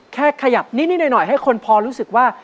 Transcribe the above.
ขยับนิดหน่อยให้คนพอรู้สึกว่า